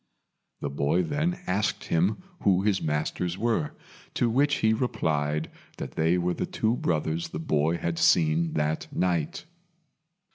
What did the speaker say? The boy then asked him who his masters were, to which he replied that they were the two brothers the boy had seen that night.